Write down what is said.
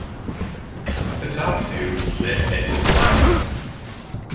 The top two then met in the final.